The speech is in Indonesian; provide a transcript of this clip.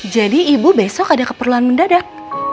jadi ibu besok ada keperluan mendadak